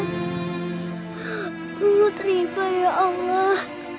lulu terima ya allah